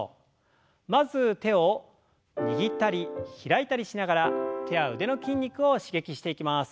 まず手を握ったり開いたりしながら手や腕の筋肉を刺激していきます。